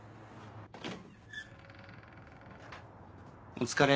お疲れ。